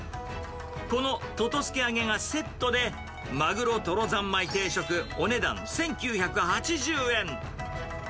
このととすけ揚げがセットで、まぐろトロ三昧定食お値段１９８０円。